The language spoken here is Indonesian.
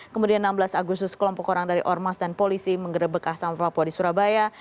kemudian enam belas agustus kelompok orang dari ormas dan polisi menggerebekah sama papua di surabaya